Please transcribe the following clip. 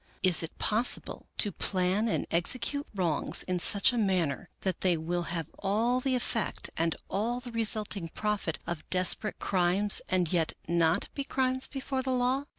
Is it possible to plan and execute wrongs in such a manner that they will have all the effect and all the resulting profit of desperate crimes and yet not be crimes before the law?